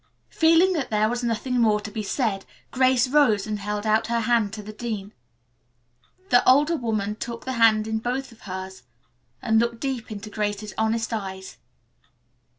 Feeling that there was nothing more to be said, Grace rose and held out her hand to the dean. The older woman took the hand in both of hers and looked deep into Grace's honest eyes.